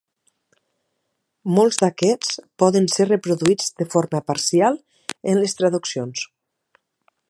Molts d'aquests poden ser reproduïts de forma parcial en les traduccions.